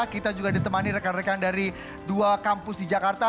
kita juga ditemani rekan rekan dari dua kampus di jakarta